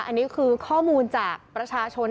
อันนี้คือข้อมูลจากประชาชน